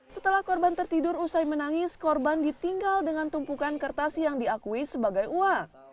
setelah korban tertidur usai menangis korban ditinggal dengan tumpukan kertas yang diakui sebagai uang